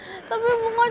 iya makanya jalannya cepet